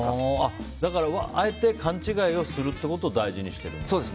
だからあえて勘違いをするっていうことを大事にしてるんだ。